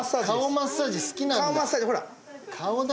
マッサージ好きなんだ。